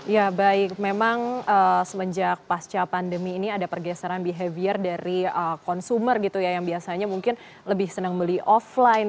ya baik memang semenjak pasca pandemi ini ada pergeseran behavior dari consumer gitu ya yang biasanya mungkin lebih senang beli offline